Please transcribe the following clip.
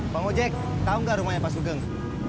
bang ojek tahu nggak rumahnya pak sugeng